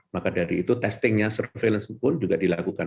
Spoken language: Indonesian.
maka dari itu testingnya surveillance pun juga dilakukan